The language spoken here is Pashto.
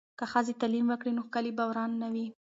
که ښځې تعلیم وکړي نو کلي به وران نه وي.